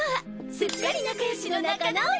すっかり仲よしの仲直り！